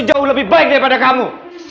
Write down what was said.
jauh lebih baik daripada kamu